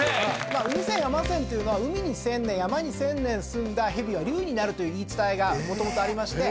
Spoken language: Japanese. まあ海千山千というのは海に１，０００年山に１，０００年すんだ蛇は竜になるという言い伝えがもともとありまして。